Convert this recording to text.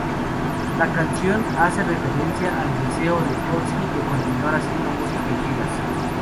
La canción hace referencia al deseo de Ozzy de continuar haciendo música y giras.